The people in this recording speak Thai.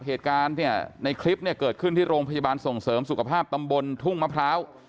เหตุการณ์เนี่ยในคลิปเนี่ยเกิดขึ้นที่โรงพยาบาลส่งเสริมสุขภาพตำบลทุ่งมะพร้าว